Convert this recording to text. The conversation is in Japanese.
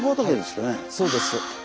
そうです。